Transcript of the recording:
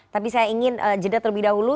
tapi saya ingin jeda terlebih dahulu